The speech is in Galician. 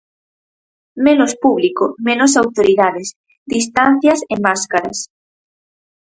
Menos público, menos autoridades, distancias e máscaras.